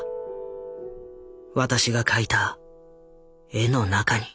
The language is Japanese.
私が描いた絵の中に。